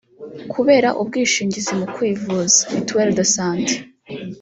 Kubera Ubwishingizi mu kwivuza (mituelle de sante)